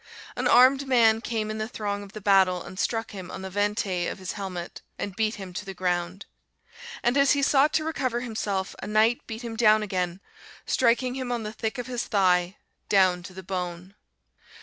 An armed man came in the throng of the battle, and struck him on the ventaille of his helmet, and beat him to the ground; and as he sought to recover himself, a knight beat him down again, striking him on the thick of his thigh, down to the bone.